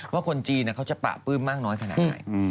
คนจีนเขาจะปะปื้มมากน้อยขนาดไหน